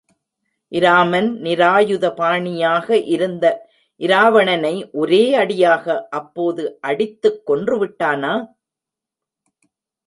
இராமன் நிராயுதபாணியாக இருந்த இராவணனை ஒரே அடியாக அப்போது அடித்துக் கொன்று விட்டானா?